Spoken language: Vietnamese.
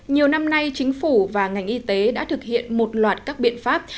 nhiều năm nay chính phủ và ngành y tế đã thực hiện một loạt các biện pháp